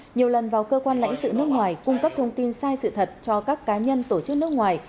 nhiều lần vào cơ quan lãnh sự nước ngoài cung cấp thông tin sai sự thật cho các cá nhân tổ chức nước ngoài